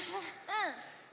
うん。